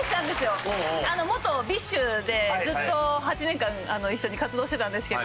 元ＢｉＳＨでずっと８年間一緒に活動してたんですけど。